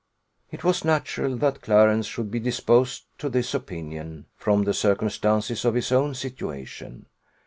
It was natural that Clarence should be disposed to this opinion, from the circumstances of his own situation.